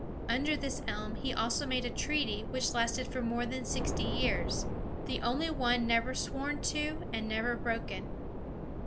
Under this elm he also made a treaty which lasted for more than sixty years, "the only one never sworn to and never broken."